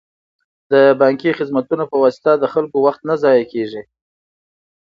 د بانکي خدمتونو په واسطه د خلکو وخت نه ضایع کیږي.